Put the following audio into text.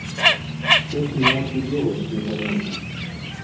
Тут ніякі дзёгаць не паможа!